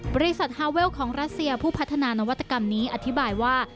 บริษัทฮาเวลของรัสเซียผู้พัฒนานวัตกรรมนี้อธิบายว่า